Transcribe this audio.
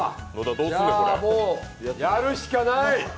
もうやるしかない。